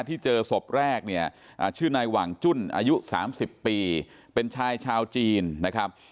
ที่เจอศพแรกเนี่ยชื่อนายหว่างจุ้นอายุ๓๐ปีเป็นชายชาวจีนนะครับ